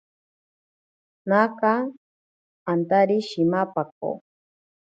Naaka antari shimapako.